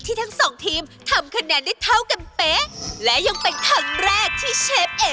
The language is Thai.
ใช่มีทั้งกลิ่นเครื่องเทศแล้วก็เป็นกลิ่นอันนี้ครับ